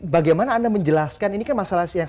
bagaimana anda menjelaskan ini kan masalah yang